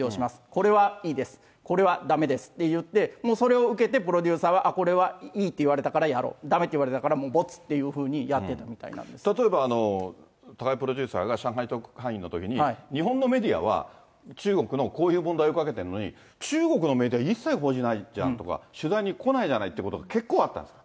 これはいいです、これはだめですっていって、もうそれを受けてプロデューサーは、あっ、これはいいって言われたからやろう、だめって言われたからもう没っていうふうにやってたみたいなんで例えば、高井プロデューサーが上海特派員のときに、日本のメディアは、中国のこういう問題を追いかけてるのに、中国のメディア、一切報じないじゃんとか、取材に来ないじゃないということが結構あったんですか。